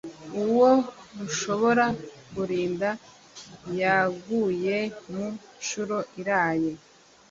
uwa rushobora kulinda yaguye mu nshuro iraye;